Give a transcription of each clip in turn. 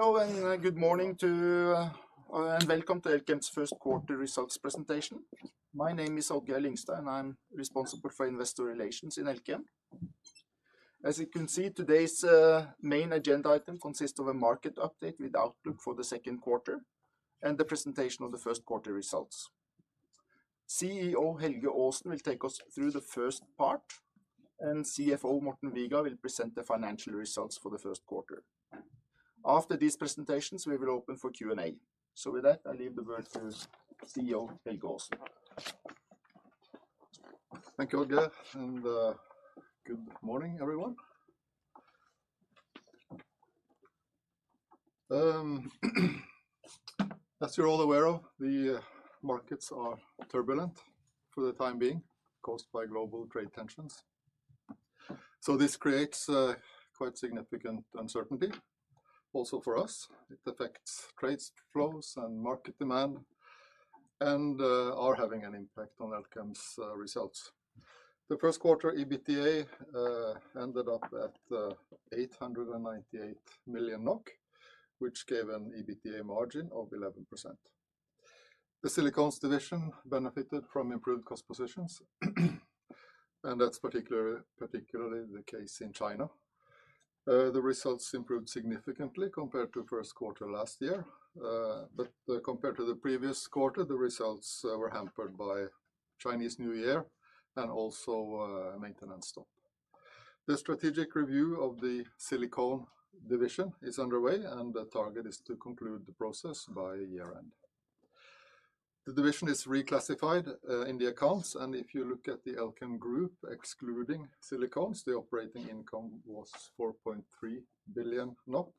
Hello and good morning to, and welcome to Elkem's First Quarter Results Presentation. My name is Odd-Geir Lyngstad, and I'm responsible for Investor Relations in Elkem. As you can see, today's main agenda item consists of a market update with outlook for the second quarter and the presentation of the first quarter results. CEO Helge Aasen will take us through the first part, and CFO Morten Viga will present the financial results for the first quarter. After these presentations, we will open for Q&A. With that, I leave the word to CEO Helge Aasen. Thank you, Odd-Geir, and good morning, everyone. As you're all aware of, the markets are turbulent for the time being, caused by global trade tensions. This creates quite significant uncertainty also for us. It affects trade flows and market demand and is having an impact on Elkem's results. The first quarter EBITDA ended up at 898 million NOK, which gave an EBITDA margin of 11%. The Silicon's division benefited from improved cost positions, and that's particularly the case in China. The results improved significantly compared to first quarter last year. Compared to the previous quarter, the results were hampered by Chinese New Year and also maintenance stock. The strategic review of the Silicon division is underway, and the target is to conclude the process by year-end. The division is reclassified, in the accounts, and if you look at the Elkem Group, excluding Silicones, the operating income was 4.3 billion NOK,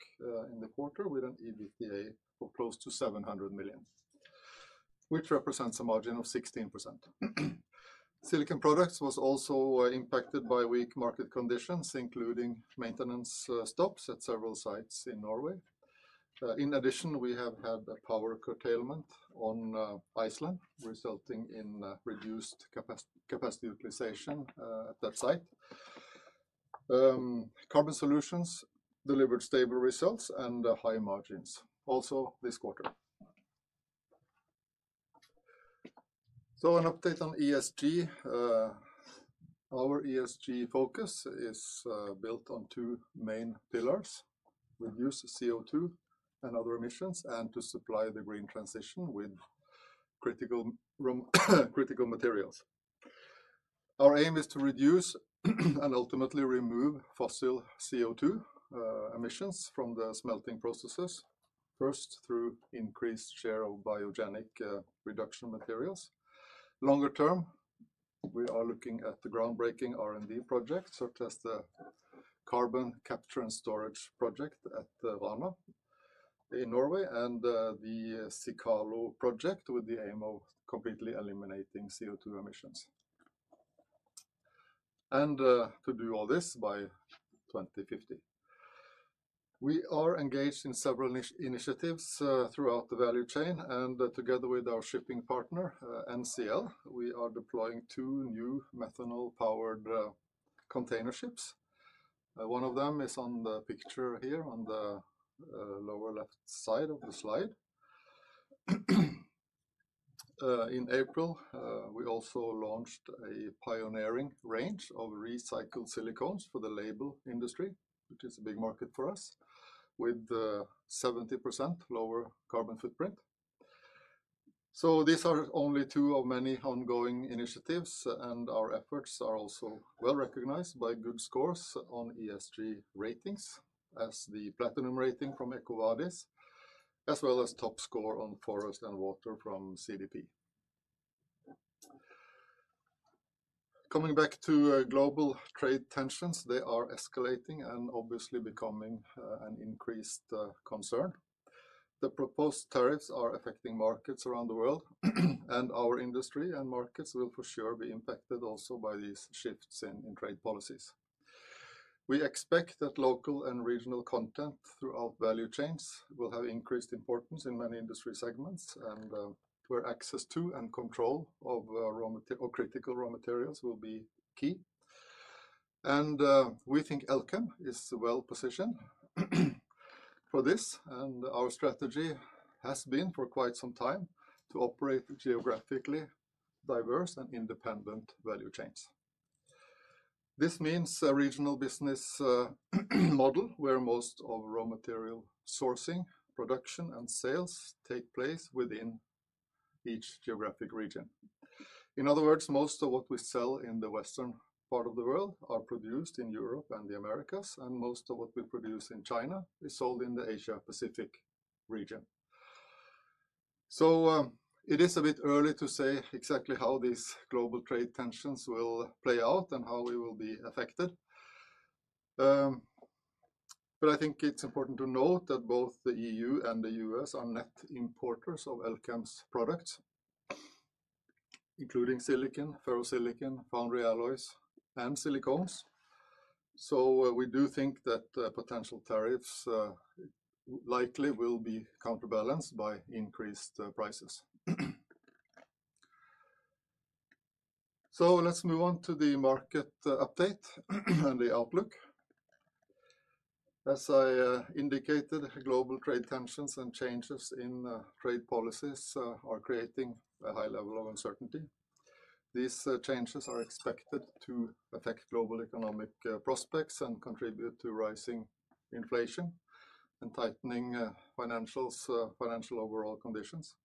in the quarter, with an EBITDA of close to 700 million, which represents a margin of 16%. Silicon Products was also impacted by weak market conditions, including maintenance stops at several sites in Norway. In addition, we have had a power curtailment on Iceland, resulting in reduced capacity utilization at that site. Carbon Solutions delivered stable results and high margins also this quarter. An update on ESG. Our ESG focus is built on two main pillars: reduce CO2 and other emissions, and to supply the green transition with critical, critical materials. Our aim is to reduce and ultimately remove fossil CO2 emissions from the smelting processes, first through increased share of biogenic reduction materials. Longer term, we are looking at the groundbreaking R&D projects, such as the carbon capture and storage project at Varna in Norway, and the Sicalo project with the aim of completely eliminating CO2 emissions. To do all this by 2050. We are engaged in several initiatives throughout the value chain, and together with our shipping partner NCL, we are deploying two new methanol-powered container ships. One of them is on the picture here on the lower left side of the slide. In April, we also launched a pioneering range of recycled silicones for the label industry, which is a big market for us, with 70% lower carbon footprint. These are only two of many ongoing initiatives, and our efforts are also well recognized by good scores on ESG ratings, as the Platinum rating from EcoVadis, as well as top score on forest and water from CDP. Coming back to global trade tensions, they are escalating and obviously becoming an increased concern. The proposed tariffs are affecting markets around the world, and our industry and markets will for sure be impacted also by these shifts in trade policies. We expect that local and regional content throughout value chains will have increased importance in many industry segments, where access to and control of raw material or critical raw materials will be key. We think Elkem is well positioned for this, and our strategy has been for quite some time to operate geographically diverse and independent value chains. This means a regional business model where most of raw material sourcing, production, and sales take place within each geographic region. In other words, most of what we sell in the western part of the world are produced in Europe and the Americas, and most of what we produce in China is sold in the Asia-Pacific region. It is a bit early to say exactly how these global trade tensions will play out and how we will be affected. I think it's important to note that both the EU and the U.S. are net importers of Elkem's products, including silicon, ferro-silicon, foundry alloys, and silicones. We do think that potential tariffs likely will be counterbalanced by increased prices. Let's move on to the market update and the outlook. As I indicated, global trade tensions and changes in trade policies are creating a high level of uncertainty. These changes are expected to affect global economic prospects and contribute to rising inflation and tightening financial overall conditions.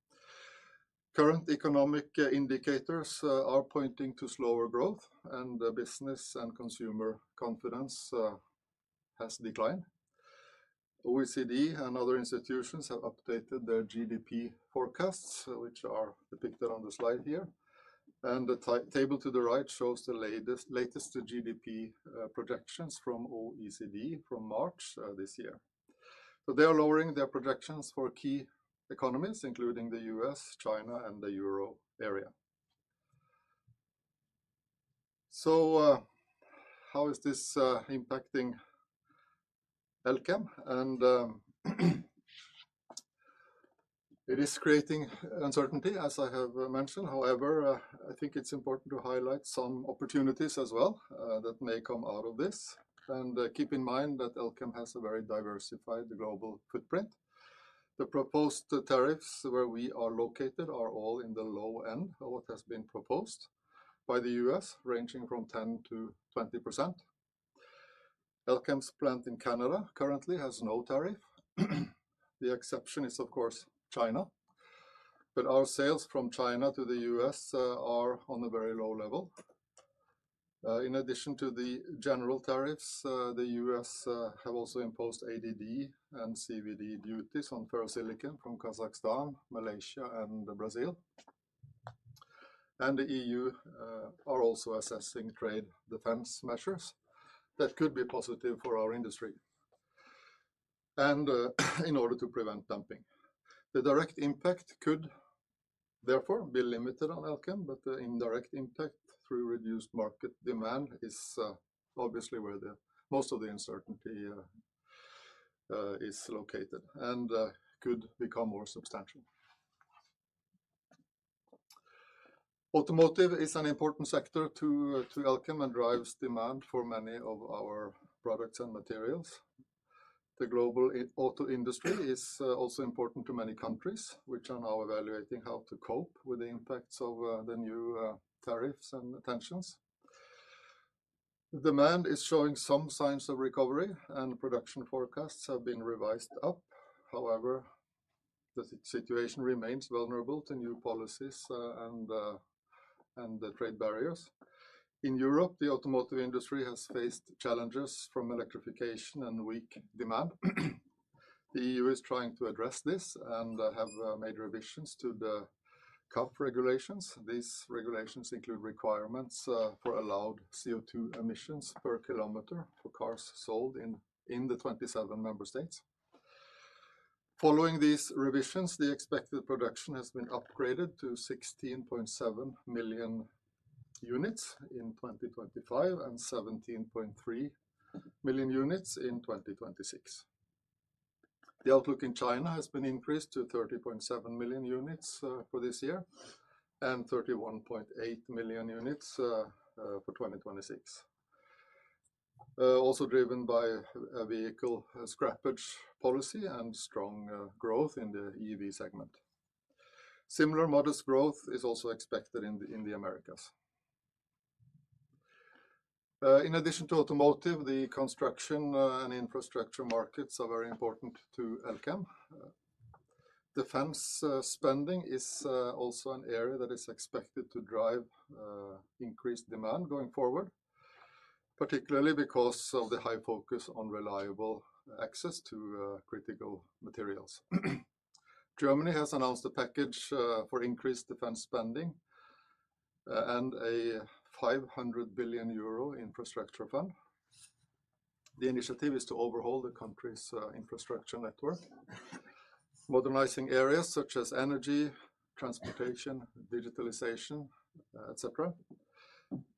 Current economic indicators are pointing to slower growth, and business and consumer confidence has declined. OECD and other institutions have updated their GDP forecasts, which are depicted on the slide here. The table to the right shows the latest GDP projections from OECD from March this year. They are lowering their projections for key economies, including the US, China, and the Euro area. How is this impacting Elkem? It is creating uncertainty, as I have mentioned. However, I think it's important to highlight some opportunities as well, that may come out of this. Keep in mind that Elkem has a very diversified global footprint. The proposed tariffs where we are located are all in the low end of what has been proposed by the U.S., ranging from 10%-20%. Elkem's plant in Canada currently has no tariff. The exception is, of course, China. Our sales from China to the U.S. are on a very low level. In addition to the general tariffs, the U.S. have also imposed ADD and CVD duties on ferro-silicon from Kazakhstan, Malaysia, and Brazil. The EU are also assessing trade defense measures that could be positive for our industry, in order to prevent dumping. The direct impact could therefore be limited on Elkem, but the indirect impact through reduced market demand is obviously where most of the uncertainty is located and could become more substantial. Automotive is an important sector to Elkem and drives demand for many of our products and materials. The global auto industry is also important to many countries, which are now evaluating how to cope with the impacts of the new tariffs and tensions. The demand is showing some signs of recovery, and production forecasts have been revised up. However, the situation remains vulnerable to new policies and the trade barriers. In Europe, the automotive industry has faced challenges from electrification and weak demand. The EU is trying to address this and have made revisions to the CAF regulations. These regulations include requirements for allowed CO2 emissions per kilometer for cars sold in the 27 member states. Following these revisions, the expected production has been upgraded to 16.7 million units in 2025 and 17.3 million units in 2026. The outlook in China has been increased to 30.7 million units for this year and 31.8 million units for 2026, also driven by vehicle scrappage policy and strong growth in the EV segment. Similar modest growth is also expected in the Americas. In addition to automotive, the construction and infrastructure markets are very important to Elkem. Defense spending is also an area that is expected to drive increased demand going forward, particularly because of the high focus on reliable access to critical materials. Germany has announced a package for increased defense spending and a 500 billion euro infrastructure fund. The initiative is to overhaul the country's infrastructure network, modernizing areas such as energy, transportation, digitalization, etc.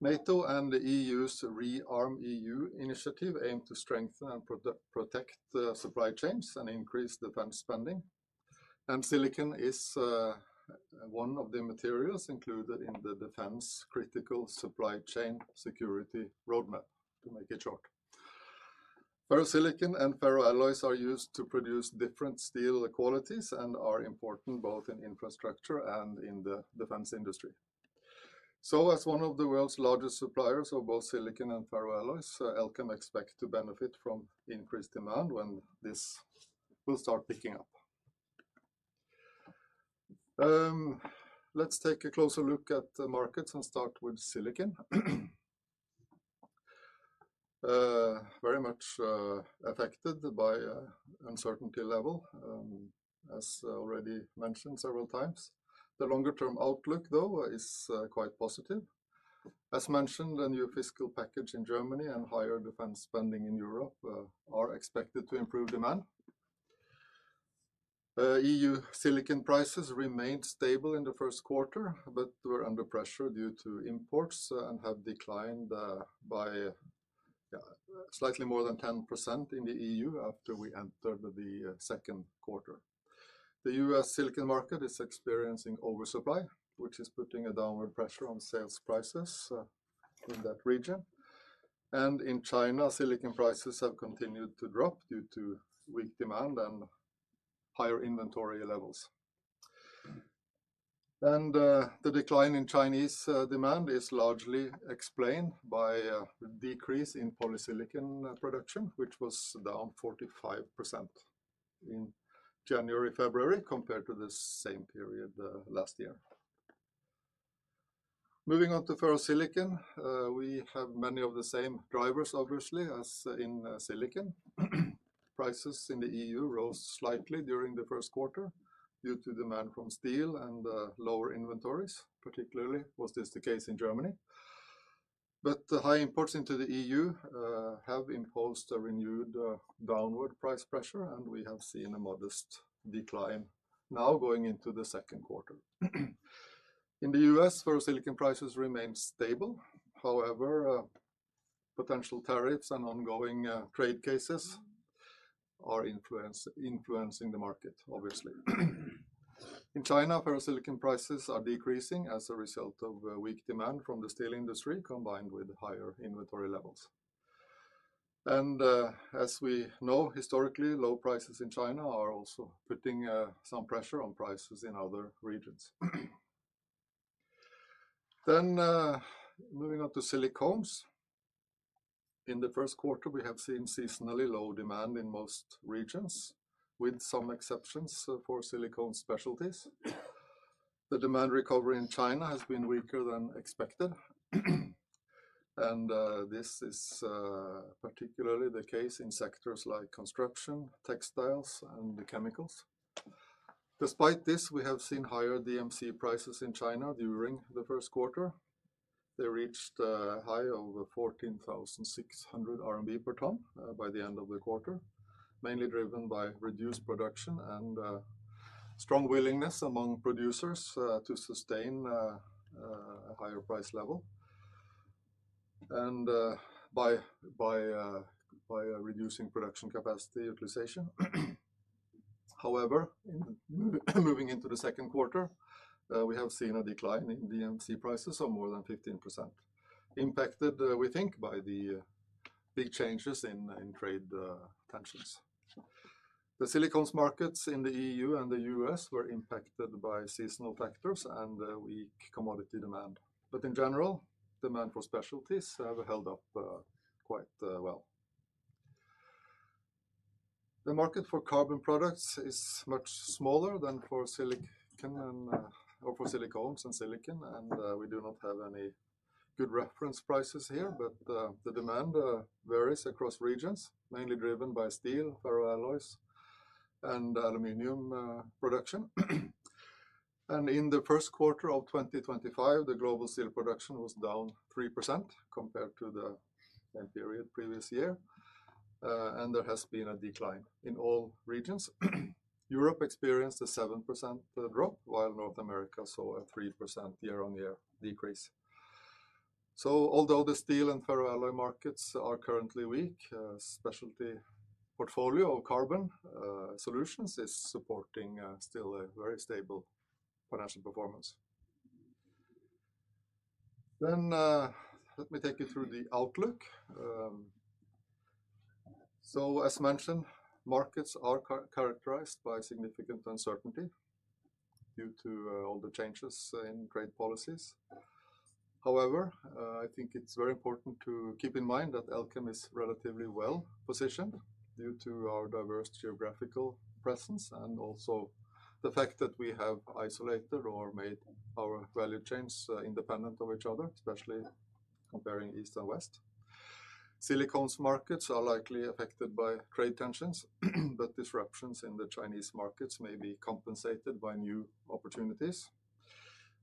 NATO and the EU's ReArmEU initiative aim to strengthen and protect supply chains and increase defense spending. Silicon is one of the materials included in the defense critical supply chain security roadmap, to make it short. Ferro-silicon and ferro-alloys are used to produce different steel qualities and are important both in infrastructure and in the defense industry. As one of the world's largest suppliers of both silicon and ferro-alloys, Elkem expects to benefit from increased demand when this will start picking up. Let's take a closer look at the markets and start with silicon. Very much affected by uncertainty level, as already mentioned several times. The longer-term outlook, though, is quite positive. As mentioned, a new fiscal package in Germany and higher defense spending in Europe are expected to improve demand. EU silicon prices remained stable in the first quarter, but were under pressure due to imports and have declined by, yeah, slightly more than 10% in the EU after we entered the second quarter. The U.S. silicon market is experiencing oversupply, which is putting a downward pressure on sales prices in that region. In China, silicon prices have continued to drop due to weak demand and higher inventory levels. The decline in Chinese demand is largely explained by a decrease in polysilicon production, which was down 45% in January, February compared to the same period last year. Moving on to ferro-silicon, we have many of the same drivers, obviously, as in silicon. Prices in the EU rose slightly during the first quarter due to demand from steel and lower inventories, particularly was this the case in Germany. The high imports into the EU have imposed a renewed downward price pressure, and we have seen a modest decline now going into the second quarter. In the U.S., ferro-silicon prices remain stable. However, potential tariffs and ongoing trade cases are influencing the market, obviously. In China, ferro-silicon prices are decreasing as a result of weak demand from the steel industry combined with higher inventory levels. As we know, historically, low prices in China are also putting some pressure on prices in other regions. Moving on to silicones. In the first quarter, we have seen seasonally low demand in most regions, with some exceptions for silicone specialties. The demand recovery in China has been weaker than expected. This is particularly the case in sectors like construction, textiles, and chemicals. Despite this, we have seen higher DMC prices in China during the first quarter. They reached a high of 14,600 RMB per ton by the end of the quarter, mainly driven by reduced production and strong willingness among producers to sustain a higher price level by reducing production capacity utilization. However, moving into the second quarter, we have seen a decline in DMC prices of more than 15%, impacted, we think, by the big changes in trade tensions. The silicone markets in the EU and the U.S. were impacted by seasonal factors and weak commodity demand. In general, demand for specialties have held up quite well. The market for carbon products is much smaller than for silicon or for silicones and silicon. We do not have any good reference prices here, but the demand varies across regions, mainly driven by steel, ferro-alloys, and aluminum production. In the first quarter of 2025, the global steel production was down 3% compared to the same period previous year. There has been a decline in all regions. Europe experienced a 7% drop, while North America saw a 3% year-on-year decrease. Although the steel and ferro-alloy markets are currently weak, specialty portfolio of carbon solutions is supporting still a very stable financial performance. Let me take you through the outlook. As mentioned, markets are characterized by significant uncertainty due to all the changes in trade policies. However, I think it's very important to keep in mind that Elkem is relatively well positioned due to our diverse geographical presence and also the fact that we have isolated or made our value chains independent of each other, especially comparing east and west. Silicone markets are likely affected by trade tensions, but disruptions in the Chinese markets may be compensated by new opportunities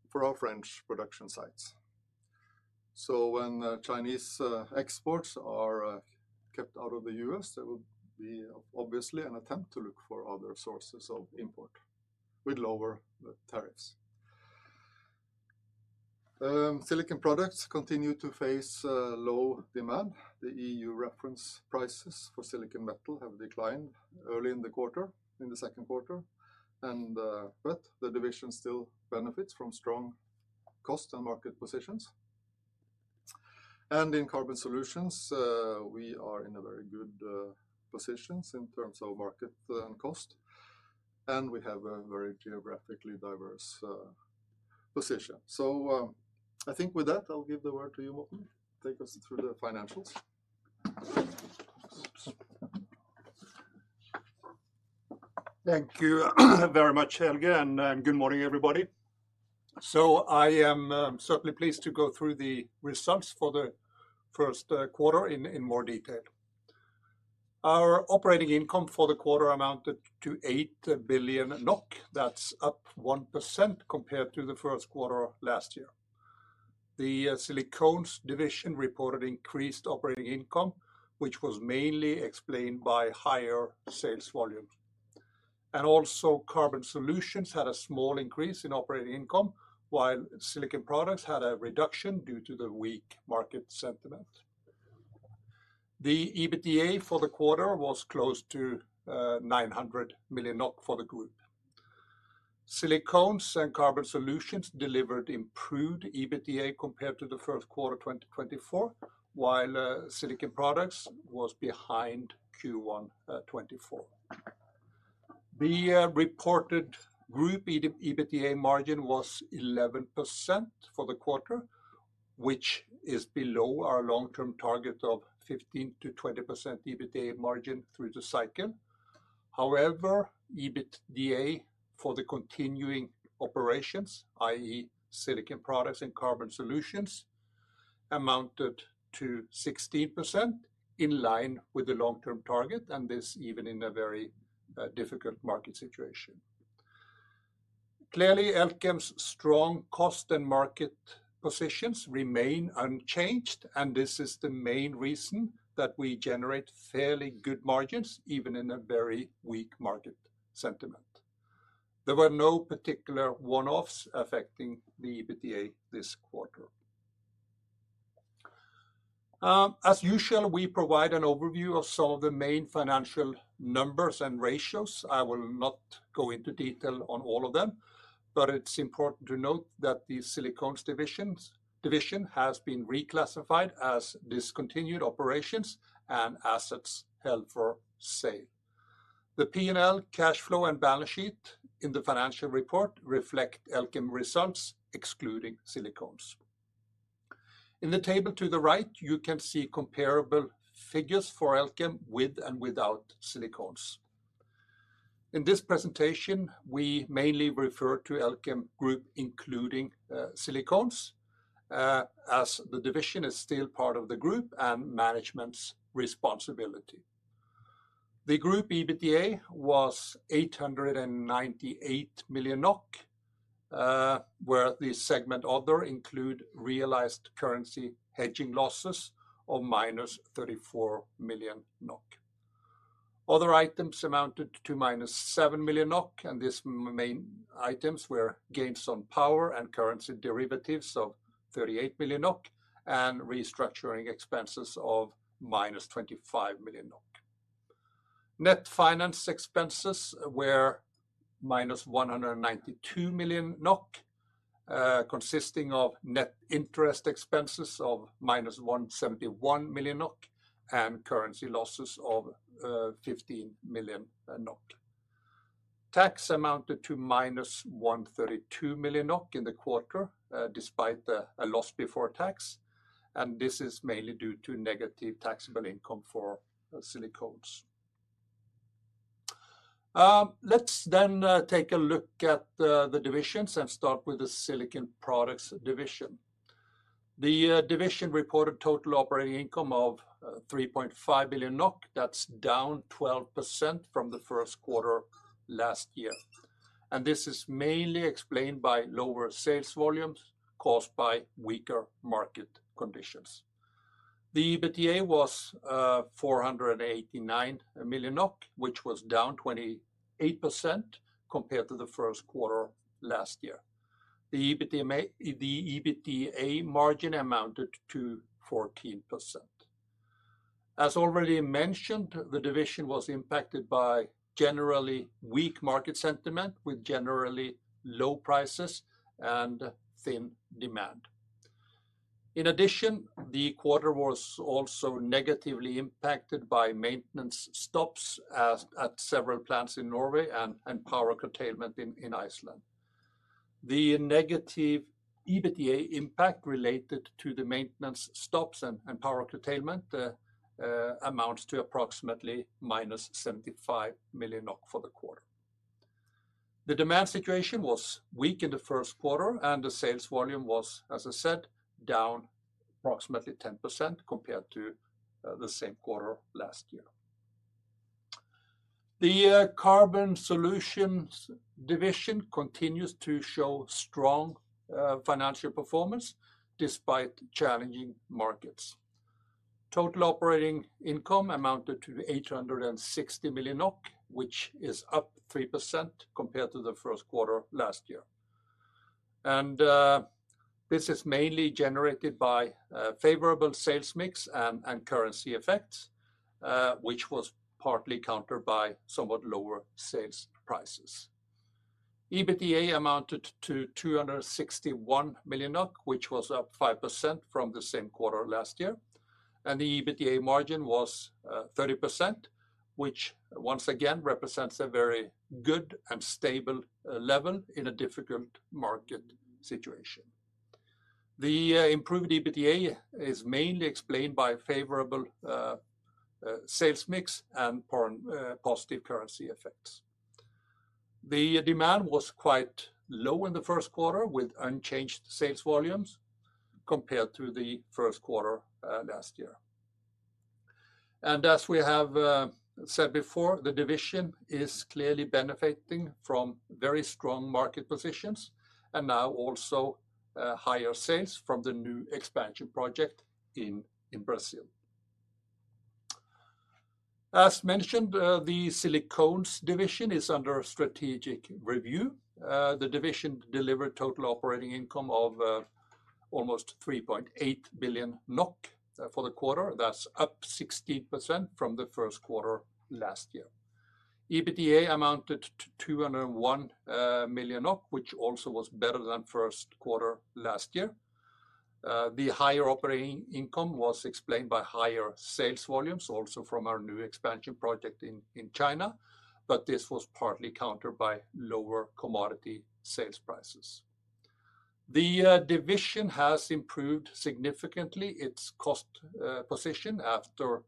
for our French production sites. When Chinese exports are kept out of the U.S., there will be obviously an attempt to look for other sources of import with lower tariffs. Silicone products continue to face low demand. The EU reference prices for silicon metal have declined early in the quarter, in the second quarter. The division still benefits from strong cost and market positions. In carbon solutions, we are in a very good position in terms of market and cost. We have a very geographically diverse position. I think with that, I'll give the word to you, Morten, take us through the financials. Thank you very much, Helge. Good morning, everybody. I am certainly pleased to go through the results for the first quarter in more detail. Our operating income for the quarter amounted to 8 billion NOK. That's up 1% compared to the first quarter last year. The silicone division reported increased operating income, which was mainly explained by higher sales volume. Also, carbon solutions had a small increase in operating income, while silicone products had a reduction due to the weak market sentiment. The EBITDA for the quarter was close to 900 million NOK for the group. Silicones and carbon solutions delivered improved EBITDA compared to the first quarter 2024, while silicone products was behind Q1 2024. The reported group EBITDA margin was 11% for the quarter, which is below our long-term target of 15%-20% EBITDA margin through the cycle. However, EBITDA for the continuing operations, i.e., silicone products and carbon solutions, amounted to 16% in line with the long-term target. This even in a very difficult market situation. Clearly, Elkem's strong cost and market positions remain unchanged, and this is the main reason that we generate fairly good margins even in a very weak market sentiment. There were no particular one-offs affecting the EBITDA this quarter. As usual, we provide an overview of some of the main financial numbers and ratios. I will not go into detail on all of them, but it's important to note that the Silicones division has been reclassified as discontinued operations and assets held for sale. The P&L, cash flow, and balance sheet in the financial report reflect Elkem results excluding Silicones. In the table to the right, you can see comparable figures for Elkem with and without Silicones. In this presentation, we mainly refer to Elkem Group, including Silicones, as the division is still part of the group and management's responsibility. The group EBITDA was 898 million NOK, where the segment Other includes realized currency hedging losses of -34 million NOK. Other items amounted to -7 million NOK, and these main items were gains on power and currency derivatives of 38 million NOK and restructuring expenses of -25 million NOK. Net finance expenses were -192 million NOK, consisting of net interest expenses of -171 million NOK and currency losses of 15 million NOK. Tax amounted to -132 million in the quarter, despite the loss before tax. This is mainly due to negative taxable income for silicones. Let's then take a look at the divisions and start with the silicone products division. The division reported total operating income of 3.5 billion NOK. That's down 12% from the first quarter last year. This is mainly explained by lower sales volumes caused by weaker market conditions. The EBITDA was 489 million, which was down 28% compared to the first quarter last year. The EBITDA margin amounted to 14%. As already mentioned, the division was impacted by generally weak market sentiment with generally low prices and thin demand. In addition, the quarter was also negatively impacted by maintenance stops at several plants in Norway and power curtailment in Iceland. The negative EBITDA impact related to the maintenance stops and power curtailment amounts to approximately -75 million for the quarter. The demand situation was weak in the first quarter, and the sales volume was, as I said, down approximately 10% compared to the same quarter last year. The carbon solutions division continues to show strong financial performance despite challenging markets. Total operating income amounted to 860 million NOK, which is up 3% compared to the first quarter last year. This is mainly generated by favorable sales mix and currency effects, which was partly countered by somewhat lower sales prices. EBITDA amounted to 261 million, which was up 5% from the same quarter last year. The EBITDA margin was 30%, which once again represents a very good and stable level in a difficult market situation. The improved EBITDA is mainly explained by favorable sales mix and positive currency effects. The demand was quite low in the first quarter with unchanged sales volumes compared to the first quarter last year. As we have said before, the division is clearly benefiting from very strong market positions and now also higher sales from the new expansion project in Brazil. As mentioned, the Silicones division is under strategic review. The division delivered total operating income of almost 3.8 billion NOK for the quarter. That's up 16% from the first quarter last year. EBITDA amounted to 201 million, which also was better than first quarter last year. The higher operating income was explained by higher sales volumes also from our new expansion project in China. This was partly countered by lower commodity sales prices. The division has improved significantly its cost position after,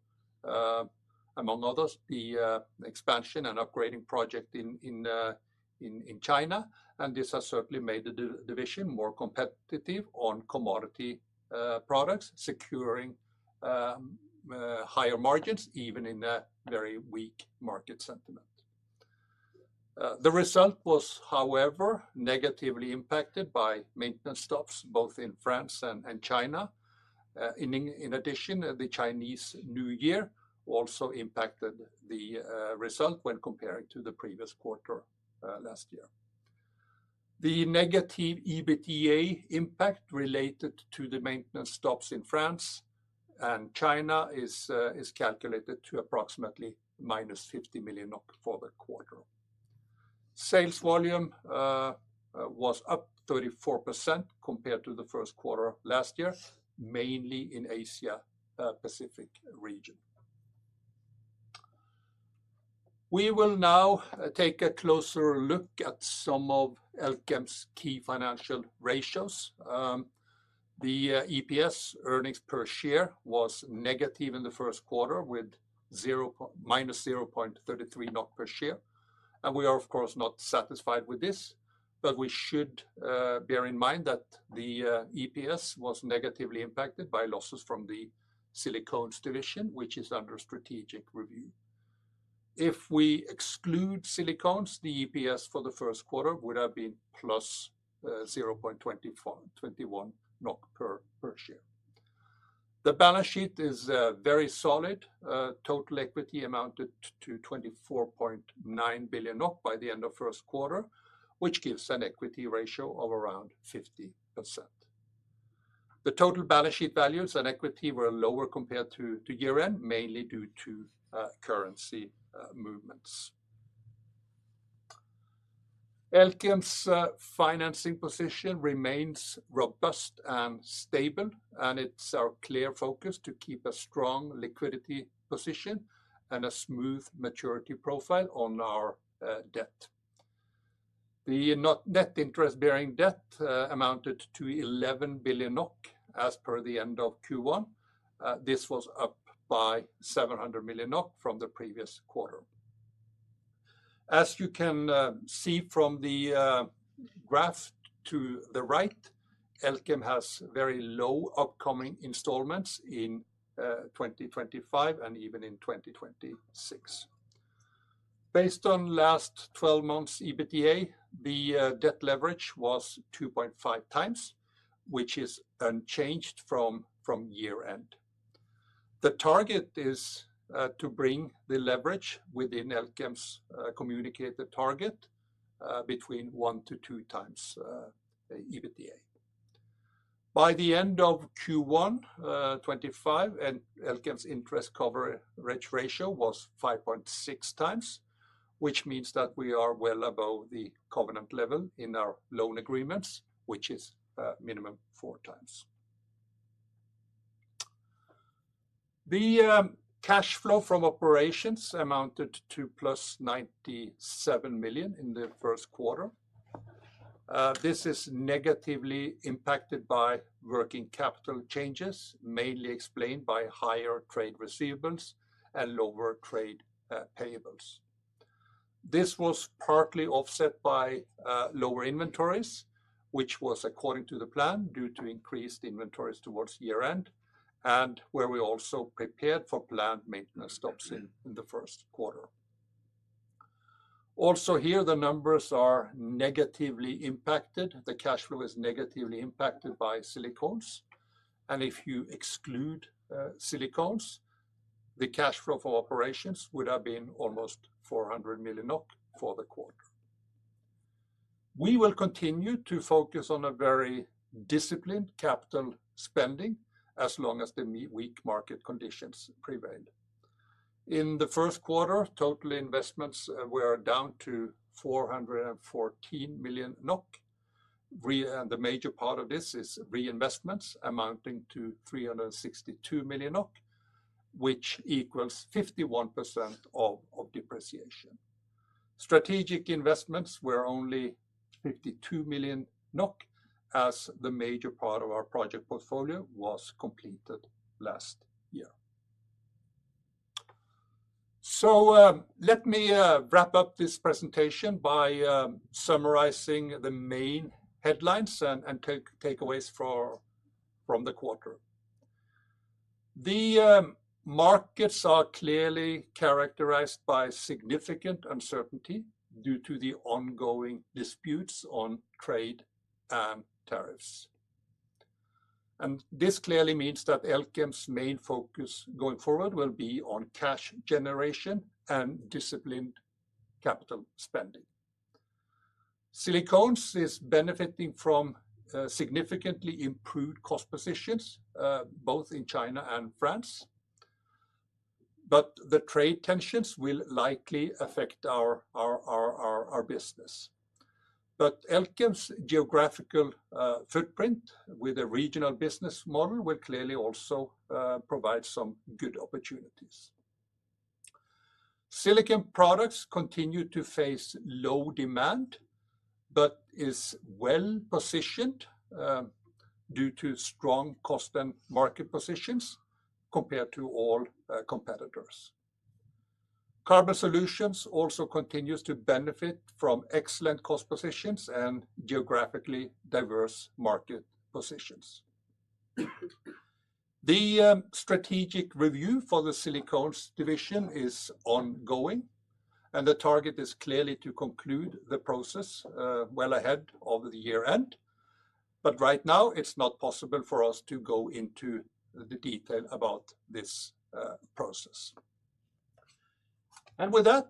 among others, the expansion and upgrading project in China. This has certainly made the division more competitive on commodity products, securing higher margins even in a very weak market sentiment. The result was, however, negatively impacted by maintenance stops both in France and China. In addition, the Chinese New Year also impacted the result when comparing to the previous quarter last year. The negative EBITDA impact related to the maintenance stops in France and China is calculated to approximately -50 million for the quarter. Sales volume was up 34% compared to the first quarter last year, mainly in the Asia-Pacific region. We will now take a closer look at some of Elkem's key financial ratios. The EPS, earnings per share, was negative in the first quarter with -0.33 per share. We are, of course, not satisfied with this, but we should bear in mind that the EPS was negatively impacted by losses from the Silicones division, which is under strategic review. If we exclude Silicones, the EPS for the first quarter would have been plus +0.24 NOK, 0.21 NOK per share. The balance sheet is very solid. Total equity amounted to 24.9 billion by the end of the first quarter, which gives an equity ratio of around 50%. The total balance sheet values and equity were lower compared to year-end, mainly due to currency movements. Elkem's financing position remains robust and stable, and it is our clear focus to keep a strong liquidity position and a smooth maturity profile on our debt. The net interest-bearing debt amounted to 11 billion NOK as per the end of Q1. This was up by 700 million NOK from the previous quarter. As you can see from the graph to the right, Elkem has very low upcoming installments in 2025 and even in 2026. Based on last 12 months' EBITDA, the debt leverage was 2.5 times, which is unchanged from year-end. The target is to bring the leverage within Elkem's communicated target, between one to two times EBITDA. By the end of Q1 2025, Elkem's interest coverage ratio was 5.6 times, which means that we are well above the covenant level in our loan agreements, which is minimum four times. The cash flow from operations amounted to +97 million in the first quarter. This is negatively impacted by working capital changes, mainly explained by higher trade receivables and lower trade payables. This was partly offset by lower inventories, which was according to the plan due to increased inventories towards year-end, and where we also prepared for planned maintenance stops in the first quarter. Also here, the numbers are negatively impacted. The cash flow is negatively impacted by silicones. If you exclude silicones, the cash flow for operations would have been almost 400 million for the quarter. We will continue to focus on a very disciplined capital spending as long as the weak market conditions prevail. In the first quarter, total investments were down to 414 million NOK. The major part of this is reinvestments amounting to 362 million NOK, which equals 51% of depreciation. Strategic investments were only 252 million NOK as the major part of our project portfolio was completed last year. Let me wrap up this presentation by summarizing the main headlines and takeaways from the quarter. The markets are clearly characterized by significant uncertainty due to the ongoing disputes on trade and tariffs. This clearly means that Elkem's main focus going forward will be on cash generation and disciplined capital spending. Silicones is benefiting from significantly improved cost positions, both in China and France. The trade tensions will likely affect our business. Elkem's geographical footprint with a regional business model will clearly also provide some good opportunities. Silicon products continue to face low demand but is well positioned due to strong cost and market positions compared to all competitors. Carbon solutions also continues to benefit from excellent cost positions and geographically diverse market positions. The strategic review for the silicones division is ongoing, and the target is clearly to conclude the process well ahead of the year-end. Right now, it's not possible for us to go into the detail about this process. With that,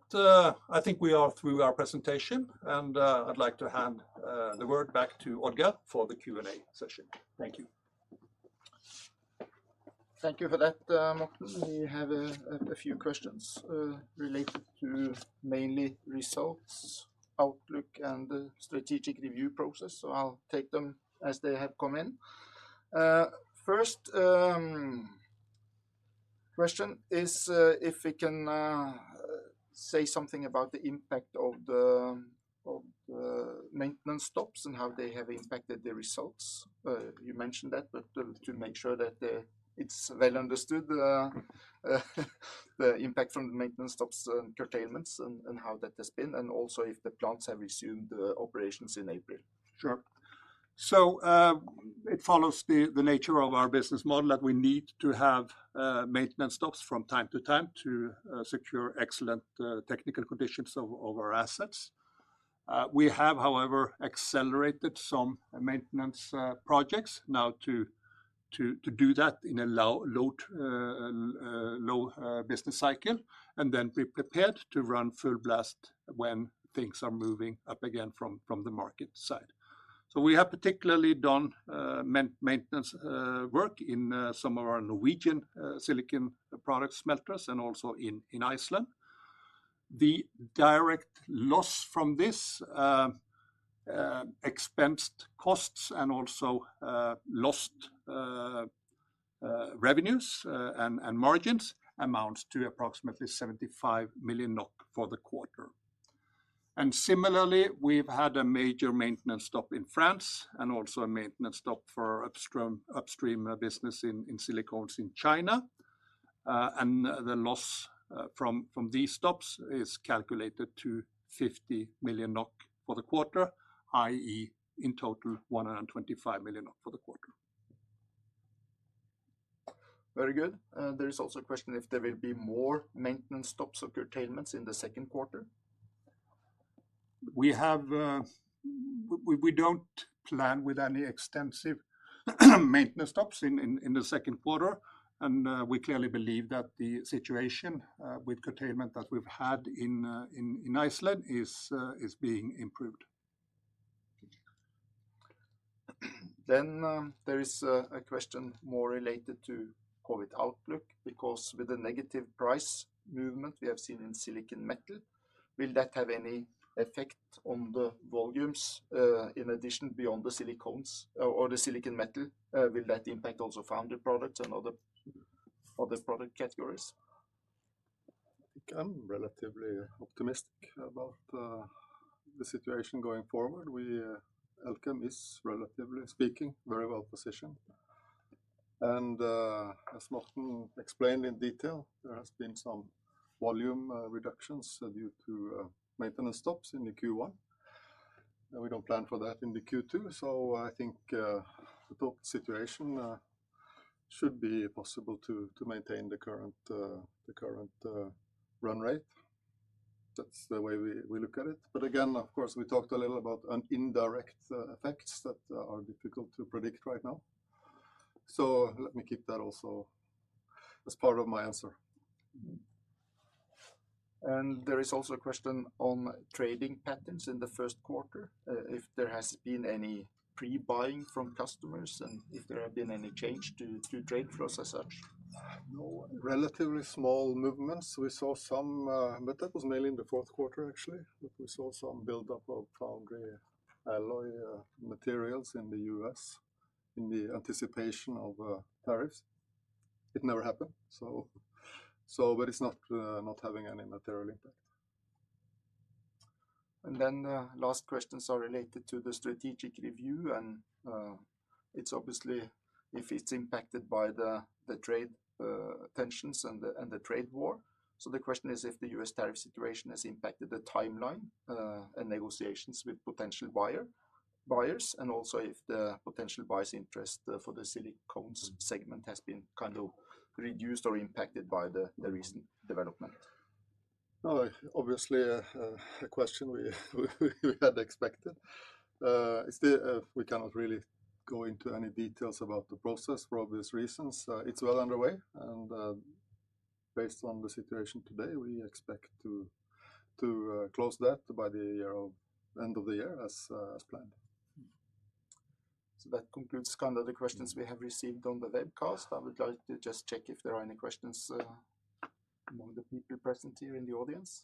I think we are through our presentation, and I'd like to hand the word back to Odd-Geir for the Q&A session. Thank you. Thank you for that, Morten. We have a few questions, related to mainly results, outlook, and the strategic review process. I'll take them as they have come in. First question is, if we can say something about the impact of the maintenance stops and how they have impacted the results. You mentioned that, but to make sure that it's well understood, the impact from the maintenance stops and curtailments and how that has been, and also if the plants have resumed the operations in April. Sure. It follows the nature of our business model that we need to have maintenance stops from time to time to secure excellent technical conditions of our assets. We have, however, accelerated some maintenance projects now to do that in a low business cycle and then be prepared to run full blast when things are moving up again from the market side. We have particularly done maintenance work in some of our Norwegian silicon product smelters and also in Iceland. The direct loss from this, expensed costs and also lost revenues and margins, amounts to approximately 75 million NOK for the quarter. Similarly, we've had a major maintenance stop in France and also a maintenance stop for upstream business in silicones in China. The loss from these stops is calculated to 50 million NOK for the quarter, i.e., in total, 125 million NOK for the quarter. Very good. There is also a question if there will be more maintenance stops or curtailments in the second quarter. We don't plan with any extensive maintenance stops in the second quarter. We clearly believe that the situation with curtailment that we've had in Iceland is being improved. There is a question more related to [COVID] outlook, because with the negative price movement we have seen in silicon metal, will that have any effect on the volumes, in addition beyond the silicones or the silicon metal? Will that impact also foundry products and other, other product categories? I think I'm relatively optimistic about the situation going forward. We, Elkem is relatively speaking, very well positioned. As Morten explained in detail, there has been some volume reductions due to maintenance stops in the Q1. We don't plan for that in the Q2. I think the top situation should be possible to maintain the current, the current run rate. That's the way we look at it. Of course, we talked a little about indirect effects that are difficult to predict right now. Let me keep that also as part of my answer. There is also a question on trading patterns in the first quarter, if there has been any pre-buying from customers and if there have been any change to trade flows as such. No, relatively small movements. We saw some, but that was mainly in the fourth quarter, actually, that we saw some buildup of foundry alloy materials in the US in the anticipation of tariffs. It never happened. So, but it's not, not having any material impact. The last questions are related to the strategic review, and it's obviously if it's impacted by the trade tensions and the trade war. The question is if the US tariff situation has impacted the timeline and negotiations with potential buyers, and also if the potential buyers' interest for the silicones segment has been kind of reduced or impacted by the recent development. No, obviously, a question we had expected. It's the, we cannot really go into any details about the process for obvious reasons. It's well underway. And, based on the situation today, we expect to close that by the end of the year as planned. That concludes kind of the questions we have received on the webcast. I would like to just check if there are any questions among the people present here in the audience.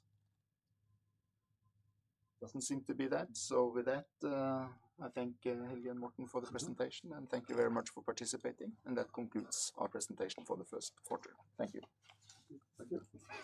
Doesn't seem to be that. With that, I thank Helge and Morten for the presentation and thank you very much for participating. That concludes our presentation for the first quarter. Thank you. Thank you.